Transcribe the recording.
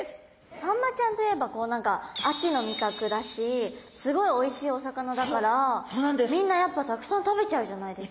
サンマちゃんといえばこう何か秋の味覚だしすごいおいしいお魚だからみんなやっぱたくさん食べちゃうじゃないですか。